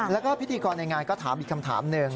แล้วก็พิธีกรในงานก็ถามอีกคำถามหนึ่ง